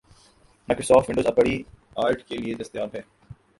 Microsoft Windows اب pre order کے لیے دستیاب ہے